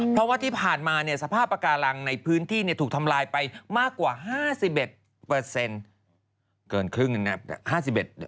เพราะว่าที่ผ่านมาสภาพปากาลังในพื้นที่ถูกทำลายไปมากกว่า๕๑เปอร์เซ็นต์